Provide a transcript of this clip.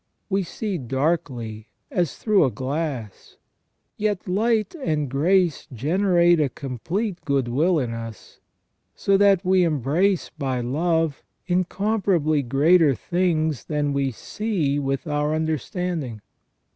We see darkly as through a glass. Yet light and grace generate a complete goodwill in us, so that we embrace by love incomparably greater things than we see with our understanding.